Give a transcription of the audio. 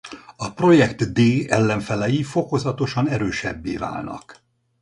A Project D ellenfelei fokozatosan erősebbé válnak.